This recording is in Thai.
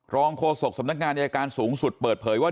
โฆษกสำนักงานอายการสูงสุดเปิดเผยว่า